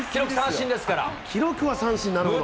記録は三振、なるほど。